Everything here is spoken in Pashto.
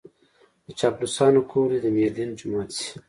د چاپلوسانو کور دې د ميردين جومات شي.